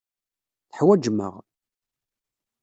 Teḥwajem-aɣ.